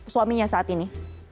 suaminya saat ini